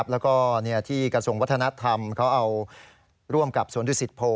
แล้วก็ที่กระทรวงวัฒนธรรมเขาเอาร่วมกับสวนดุสิตโพ